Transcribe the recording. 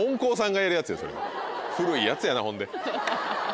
古いやつやなほんで。